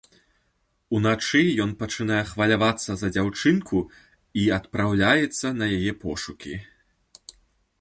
Уначы ён пачынае хвалявацца за дзяўчынку і адпраўляецца на яе пошукі.